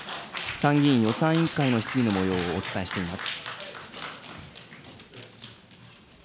参議院予算委員会の質疑のもようをお伝えしています。